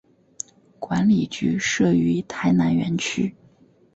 管理局设于台南园区。